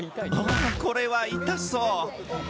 これは痛そう。